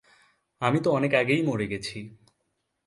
আমি তো অনেক আগেই মরে গেছি।